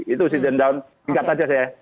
itu sedang tingkat saja saya